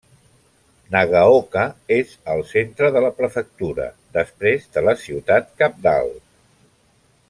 Nagaoka és al centre de la prefectura, després de la ciutat cabdal.